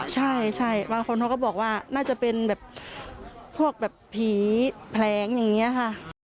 ใช่เขาก็บอกว่าน่าจะเป็นพวกพีชแผลงอย่างนี้ล่ะค่ะ